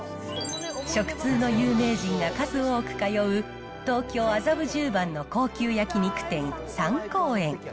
食通の有名人が数多く通う、東京・麻布十番の高級焼き肉店、三幸園。